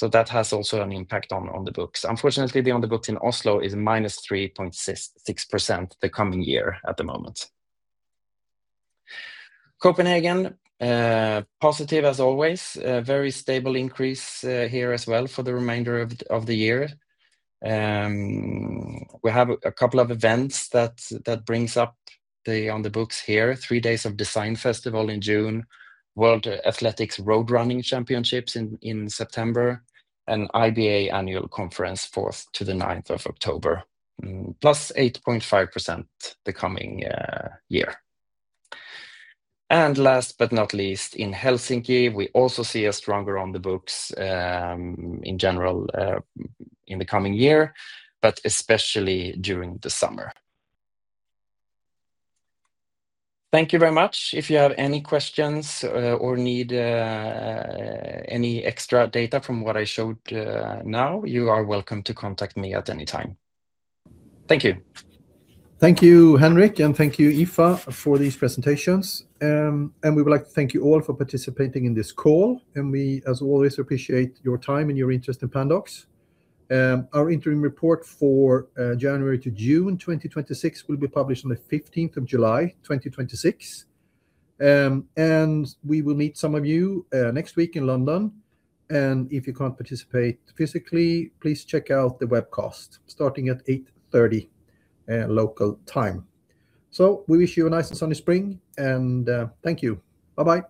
S9: That has also an impact on the books. Unfortunately, the On the Books in Oslo is -3.6% the coming year at the moment. Copenhagen, positive as always, a very stable increase here as well for the remainder of the year. We have a couple of events that brings up the On the Books here. 3daysofdesign festival in June, World Athletics Road Running Championships in September, IBA Annual Conference, 4th to the 9th of October, +8.5% the coming year. Last but not least, in Helsinki, we also see a stronger On the Books in general in the coming year, but especially during the summer. Thank you very much. If you have any questions, or need any extra data from what I showed now, you are welcome to contact me at any time. Thank you.
S2: Thank you, Henrik, and thank you, Aoife, for these presentations. We would like to thank you all for participating in this call, and we, as always, appreciate your time and your interest in Pandox. Our interim report for January to June 2026 will be published on the 15th of July, 2026. We will meet some of you next week in London. If you can't participate physically, please check out the webcast starting at 8:30 local time. We wish you a nice and sunny spring, and thank you. Bye-bye.